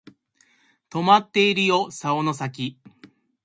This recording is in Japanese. とまっているよ竿の先